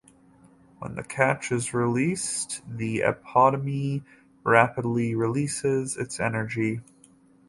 When the catch is released, the apodeme rapidly releases its energy.